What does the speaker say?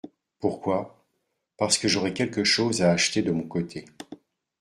Pourquoi ? Parce que j'aurai quelque chose à acheter de mon côté.